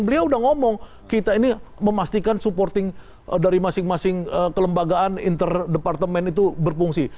beliau udah ngomong kita ini memastikan supporting dari masing masing kelembagaan interdepartemen itu berfungsi